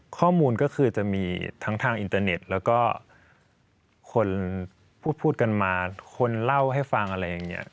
ข้อมูลก็คือจะมีทั้งทางอินเตอร์เน็ตแล้วก็คนพูดกันมาคนเล่าให้ฟังอะไรอย่างนี้